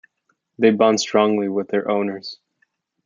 They bond strongly with their owners.